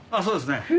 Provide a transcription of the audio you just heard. そうですね。